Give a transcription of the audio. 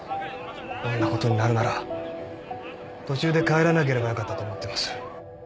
あんな事になるなら途中で帰らなければよかったと思っています。